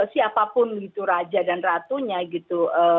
siapapun gitu raja dan ratunya gitu